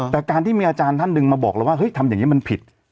แต่การที่มีอาจารย์ท่านหนึ่งมาบอกเราว่าเฮ้ยทำอย่างนี้มันผิด